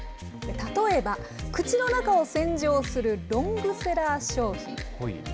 例えば口の中を洗浄するロングセラー商品。